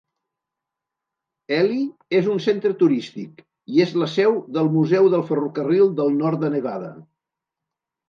Ely és un centre turístic, i és la seu del Museu del Ferrocarril del Nord de Nevada.